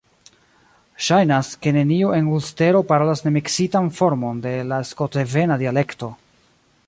Ŝajnas, ke neniu en Ulstero parolas nemiksitan formon de la skotdevena dialekto.